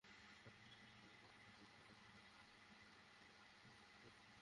আবার যদি থানায় আসিস, তোর পা ভেঙে হাতে ধরিয়ে দিবো।